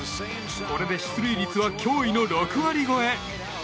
これで出塁率は驚異の６割超え。